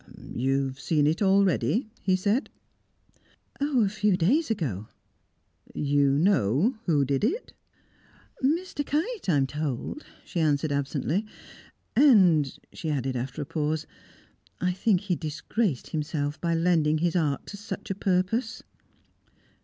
"You have seen it already?" he said. "A few days ago." "You know who did it?" "Mr. Kite, I am told," she answered absently. "And," she added, after a pause, "I think he disgraced himself by lending his art to such a purpose."